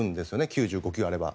９５球あれば。